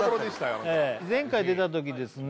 あなた前回出た時ですね